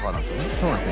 そうなんです